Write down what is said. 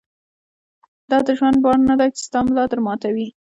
دا د ژوند بار نه دی چې ستا ملا در ماتوي.